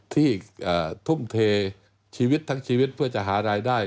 ที่ทุ่มเทชีวิตทั้งชีวิตเพื่อจะหารายได้